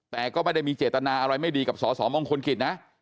แต่ก็ไม่ได้มีเจตนาอะไรไม่ดีกับสสมงคลกิจนะ